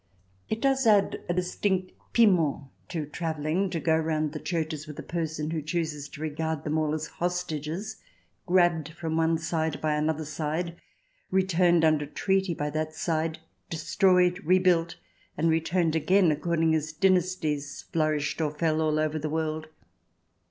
It does add a distinct piment to travelling to go round churches with a person who chooses to regard them all as hostages, grabbed from one side by another side, returned under treaty by that side, destroyed, rebuilt, and returned again, according as dynasties flourished or fell all over the world.